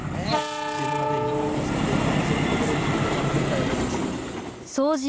死ぬまでに一度でいいからそんな所に泊まってみたいもんです。